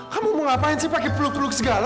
kamu mau ngapain sih pakai peluk peluk segala